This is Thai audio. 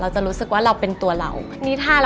จะรู้สึกว่าเราเป็นตัวเรา